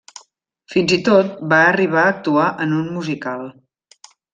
Fins i tot, va arribar a actuar en un musical.